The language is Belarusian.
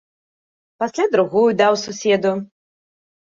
Пасля другую даў суседу.